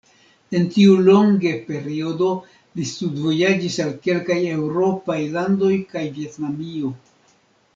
En tiu longe periodo li studvojaĝis al kelkaj eŭropaj landoj kaj Vjetnamio.